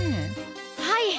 はい。